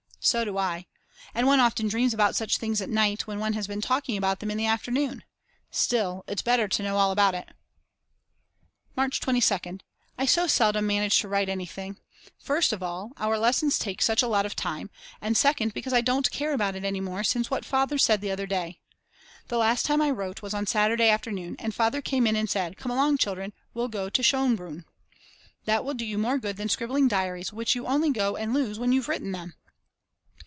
So do I. And one often dreams about such things at night when one has been talking about them in the afternoon. Still, it's better to know all about it. March 22nd. I so seldom manage to write anything, first of all our lessons take such a lot of time, and second because I don't care about it any more since what Father said the other day. The last time I wrote was on Saturday afternoon, and Father came in and said: Come along children, we'll go to Schonbrunn. That will do you more good than scribbling diaries which you only go and lose when you've written them.